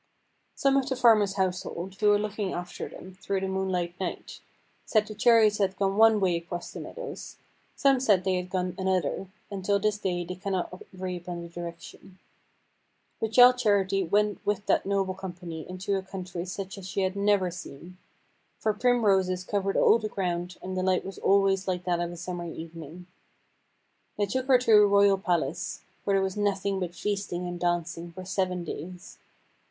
Some of the farmer's household, who were looking after them through the moonlight night, said the chariots had gone one way across the meadows, some said they had gone another, and till this day they cannot agree upon the direction. But Childe Charity went with that noble company into a country such as she had never seen for Primroses covered all the ground, and the light was always like that of a Summer evening. They took her to a royal palace, where there was nothing but feasting and dancing for seven days.